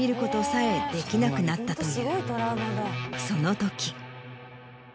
そのとき。